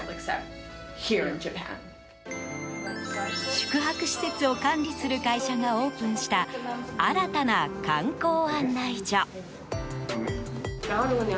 宿泊施設を管理する会社がオープンした新たな観光案内所。